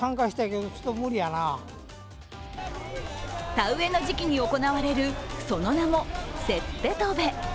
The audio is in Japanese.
田植えの時期に行われるその名も、せっぺとべ。